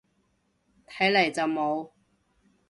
睇嚟就冇